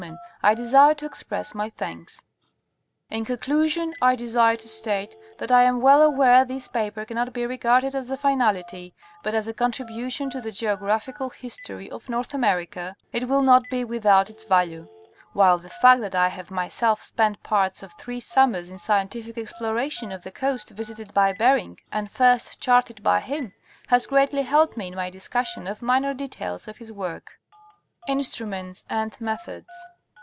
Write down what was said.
In conclusion I desire to state that I am well aware this paper cannot be regarded as a finality, but as a contribution to the geo graphical history of North America it will not be without its value, while the fact that I have myself spent parts of three summers in scientific exploration of the coast visited by Bering and first charted by him, has greatly helped me in my discussion of minor details of his work. INSTRUMENTS AND MeEruops.